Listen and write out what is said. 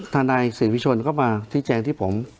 ทานายศิลปิชชนเขามาที่แจงที่ผม